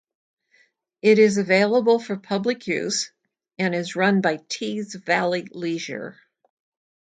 It is available for public use and is run by Tees Valley Leisure.